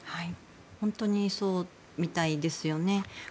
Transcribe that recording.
本当にそうみたいですよね。